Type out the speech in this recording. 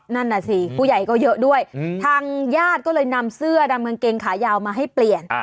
นั่นน่ะสิผู้ใหญ่ก็เยอะด้วยทางญาติก็เลยนำเสื้อดำกางเกงขายาวมาให้เปลี่ยน